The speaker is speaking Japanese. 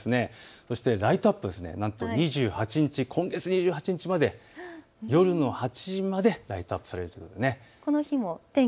そしてライトアップ、なんと２８日、今月２８日まで、夜の８時までライトアップされるんです。